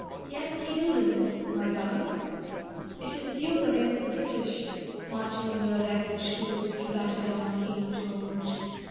"Yankee Doodle," my Darling! It is you against the British, Marching in your ragged shoes to batter down King George.